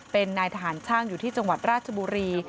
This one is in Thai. เป็นนายทหารช่างอยู่ที่จังหวัดราชบุรี